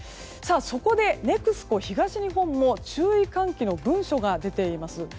そこで、ＮＥＸＣＯ東日本の注意喚起の文書が出ています。